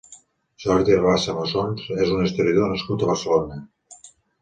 Jordi Rabassa Massons és un historiador nascut a Barcelona.